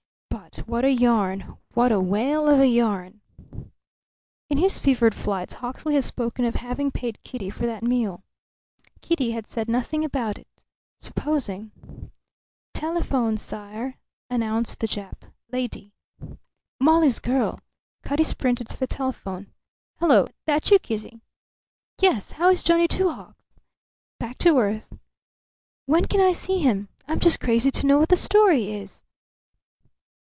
But what a yarn! What a whale of a yarn! In his fevered flights Hawksley had spoken of having paid Kitty for that meal. Kitty had said nothing about it. Supposing "Telephone, sair," announced the Jap. "Lady." Molly's girl! Cutty sprinted to the telephone. "Hello! That you, Kitty?" "Yes. How is Johnny Two Hawks?" "Back to earth." "When can I see him? I'm just crazy to know what the story is!"